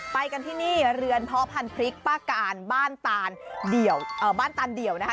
ไปกันที่นี่เรือนเพาะพันธุ์พริกป้าการบ้านตานบ้านตานเดี่ยวนะคะ